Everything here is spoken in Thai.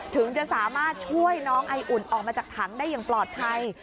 ถึงจะสามารถช่วยน้องไออุ่นออกมาจากถังได้อย่างปลอดภัย